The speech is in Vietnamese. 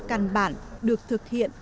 căn bản được thực hiện